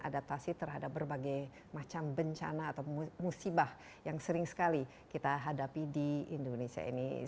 adaptasi terhadap berbagai macam bencana atau musibah yang sering sekali kita hadapi di indonesia ini